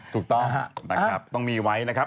ถูกต้องครับนะครับต้องมีไว้นะครับ